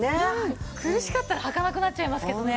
苦しかったらはかなくなっちゃいますけどね